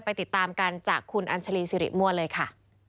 ติดตามกันจากคุณอัญชาลีสิริมั่วเลยค่ะ